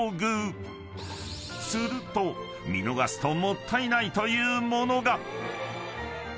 ［すると見逃すともったいないというものが］